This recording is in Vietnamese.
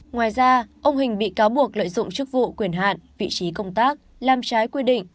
ngoài ra ông hình bị cáo buộc lợi dụng chức vụ quyền hạn vị trí công tác làm trái quy định